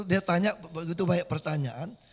dia banyak bertanyaan